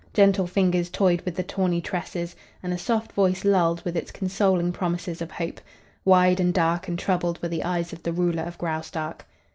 Gentle fingers toyed with the tawny tresses, and a soft voice lulled with its consoling promises of hope. Wide and dark and troubled were the eyes of the ruler of Graustark.